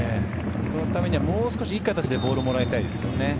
そのためにも少しいい形でボールをもらいたい。